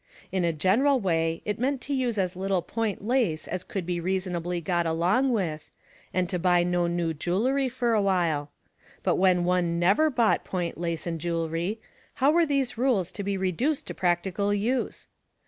In a general way it meant to use as little point lace as could be reasonably got along with, and to buy no new jewelry for awhile; but when one never bought point lace and jewel ry, how were these rules to be reduced to practi cal use